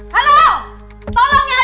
padam tolong bantu saya madame